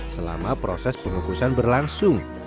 selama proses pengukusan berlangsung